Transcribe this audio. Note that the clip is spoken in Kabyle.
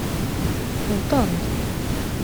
Wwḍen-d.